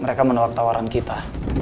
mereka menolak tawaran kita